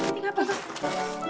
bu kety apa